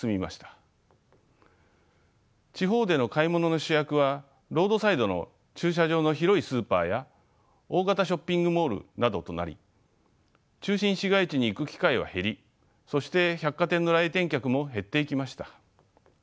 地方での買い物の主役はロードサイドの駐車場の広いスーパーや大型ショッピングモールなどとなり中心市街地に行く機会は減りそして百貨店の来店客も減っていきました。